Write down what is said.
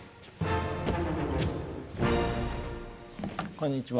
こんにちは。